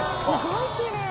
すごいきれい。